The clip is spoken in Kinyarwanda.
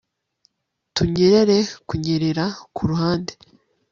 kunyerera kunyerera ku ruhande